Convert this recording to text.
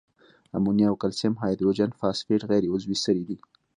امونیا او کلسیم هایدروجن فاسفیټ غیر عضوي سرې دي.